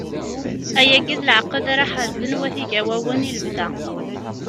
Ayagi d leɛqed ara ḥerzen wat Igawawen i lebda.